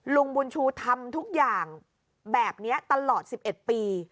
ลุงบุญชูทำทุกอย่างแบบนี้ตลอด๑๑ปี